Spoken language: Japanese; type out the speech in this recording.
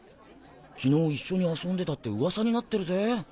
昨日一緒に遊んでたって噂になってるぜ。